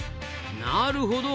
なるほど。